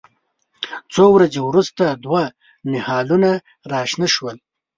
څو ورځې وروسته دوه نهالونه راشنه شول.